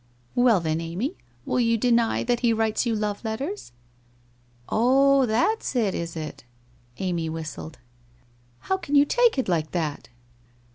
'Well then, Amy, will you deny that he writes you love letters?' 'Ob, that's it, is it?' Amy whistled. 'How can you take it like that?'